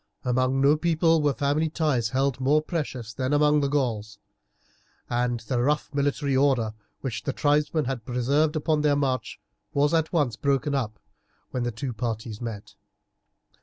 Among no people were family ties held more precious than among the Gauls, and the rough military order which the tribesmen had preserved upon their march was at once broken up when the two parties met.